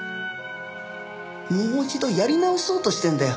もう一度やり直そうとしてんだよ。